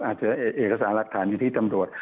อาจจะเห็นเอกสารลักษณะอยู่ที่ตำรวจ